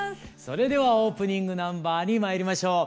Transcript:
それではオープニングナンバーに参りましょう。